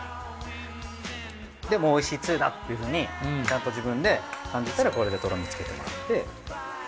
おいしいつゆだっていうふうにちゃんと自分で感じたらこれでとろみつけてもらって。